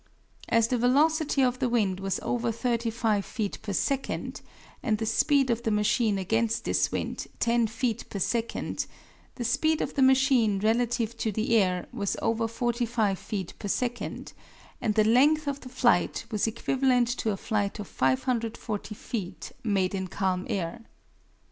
As the velocity of the wind was over 35 feet per second and the speed of the machine against this wind ten feet per second, the speed of the machine relative to the air was over 45 feet per second, and the length of the flight was equivalent to a flight of 540 feet made in calm air.